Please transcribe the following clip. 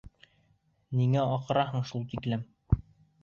Ниңә аҡыраһың шул тиклем?